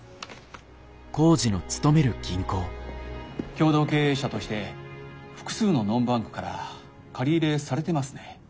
共同経営者として複数のノンバンクから借り入れされてますね。